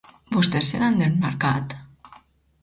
Vostès se n’han desmarcat?